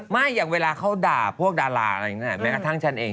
อย่างเวลาเขาด่าพวกดาราอะไรอย่างนี้แม้กระทั่งฉันเอง